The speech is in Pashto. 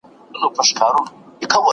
د غمو تر كيږدۍ لاندي